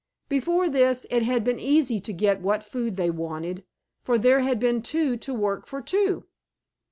Before this, it had been easy to get what food they wanted, for there had been two to work for two.